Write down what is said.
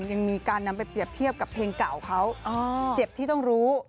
ยังมีการนำไปเปรียบเทียบกับเพลงเก่าเขาเจ็บที่ต้องรู้